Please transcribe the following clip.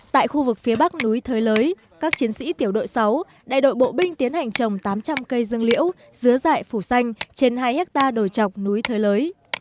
tại khu vực phía bắc núi thới các chiến sĩ tiểu đội sáu đại đội bộ binh tiến hành trồng tám trăm linh cây dương liễu dứa dại phủ xanh trên hai hectare đồi chọc núi thới